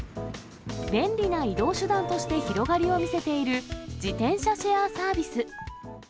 便利な移動手段として広がりを見せている自転車シェアサービス。